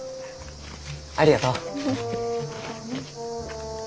ありがとう。